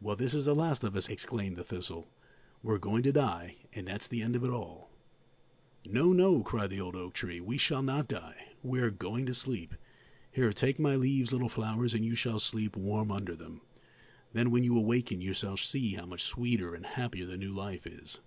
"Well, this is the last of us!" exclaimed the thistle; "we're going to die, and that's the end of it all!" "No, no," cried the old oak tree; "we shall not die; we are going to sleep. Here, take my leaves, little flowers, and you shall sleep warm under them. Then, when you awaken, you shall see how much sweeter and happier the new life is."